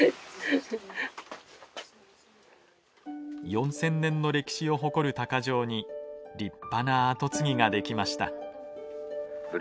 ４，０００年の歴史を誇る鷹匠に立派な後継ぎが出来ました。